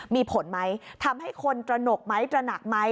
มีผลไหมทำให้คนตระหนกไหมตระหนักไหม